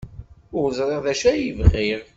Ur ẓriɣ d acu ay bɣiɣ.